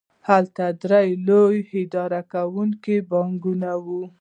هلته درې لوی اداره کوونکي بانکونه وو